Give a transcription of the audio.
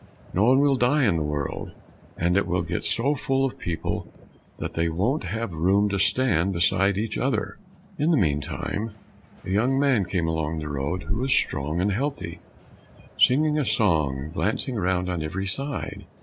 No one will die in the world, and it will get so full of people that they won't have room to stand beside each other." In the meantime a young man came along the road, who was strong and healthy, singing a song, and glancing around on every side.